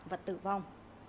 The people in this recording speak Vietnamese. và tử vong